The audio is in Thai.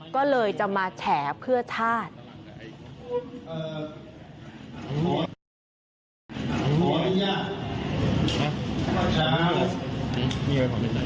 ก็เลยจะมาแฉเพื่อชาติ